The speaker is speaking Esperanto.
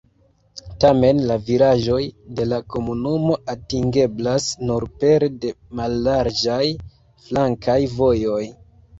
Tamen la vilaĝoj de la komunumo atingeblas nur pere de mallarĝaj flankaj vojoj.